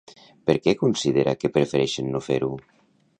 Per què considera que prefereixen no fer-ho?